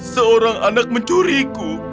seorang anak mencuriku